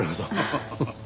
ハハハハ。